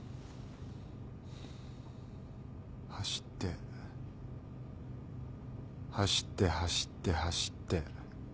走って走って走って走って。